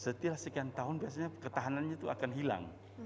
setelah sekian tahun biasanya ketahanannya itu akan hilang